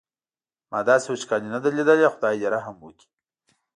ما داسې وچکالي نه ده لیدلې خدای دې رحم وکړي.